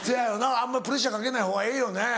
あんまプレッシャーかけないほうがええよね。